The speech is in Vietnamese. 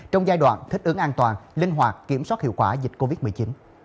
trong giai đoạn thích ứng an toàn linh hoạt kiểm soát hiệu quả dịch covid một mươi chín